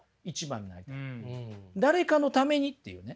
「誰かのために」っていうね